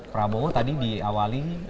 prabowo tadi diawali